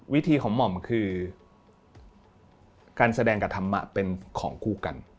วิธีของหม่อมคือการแสดงกับธรรมะเป็นของคู่กัน